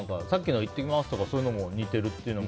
さっきの行ってきます！とかそういうのも似てるとか。